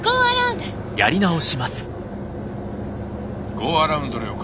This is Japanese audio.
ゴーアラウンド了解。